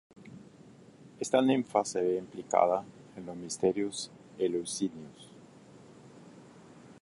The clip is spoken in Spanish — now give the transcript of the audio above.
Esta ninfa se ve implicada en los misterios eleusinos.